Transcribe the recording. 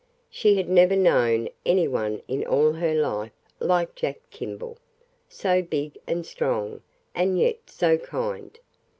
She had never known any one in all her life like Jack Kimball, so big and strong, and yet so kind.